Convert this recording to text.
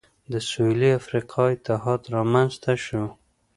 د سوېلي افریقا اتحاد رامنځته شو.